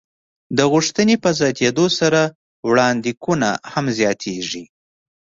د غوښتنې په زیاتېدو سره وړاندېکونه هم زیاتېږي.